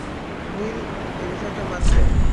Will, এ বিষয়টা বাদ দে।